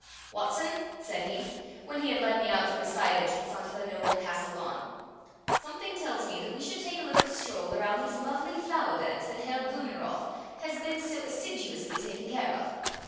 "Watson," said he, when he had led me out through a side entrance onto the noble castle lawn, "something tells me that we should take a little stroll around these lovely flower beds that Herr Blumenroth has been so assiduously taking care of.